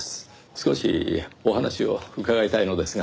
少しお話を伺いたいのですが。